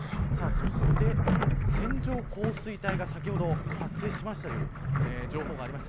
そして線状降水帯が先ほど発生しましたという情報がありました。